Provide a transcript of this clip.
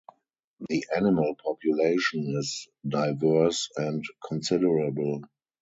The animal population is diverse and considerable.